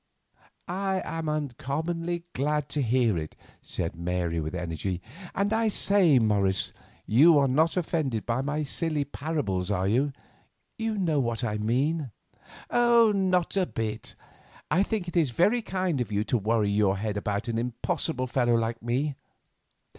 "I am uncommonly glad to hear it," said Mary with energy. "And, I say, Morris, you are not offended at my silly parables, are you? You know what I mean." "Not a bit. I think it is very kind of you to worry your head about an impossible fellow like me.